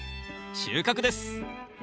収穫です！